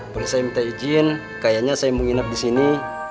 boleh saya minta izin kayaknya saya mau nginep di sini